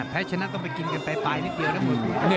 แพ้ชนะต้องไปกินกันไปนิดเดียวนะคุณ